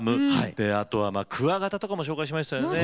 であとはクワガタとかも紹介しましたよね